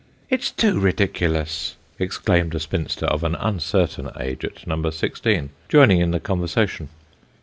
It's too ridiculous !" exclaimed a spinster of an rmcertain age, at No. 16, joining in the conversation.